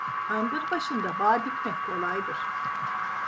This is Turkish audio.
Tandır başında bağ dikmek kolaydır.